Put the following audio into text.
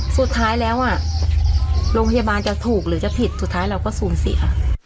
สุดท้ายแล้วอ่ะโรงพยาบาลจะถูกหรือจะผิดสุดท้ายเราก็สูญเสีย